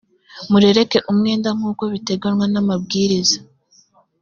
murereke umwenda nk’ uko biteganywa n ‘amabwiriza.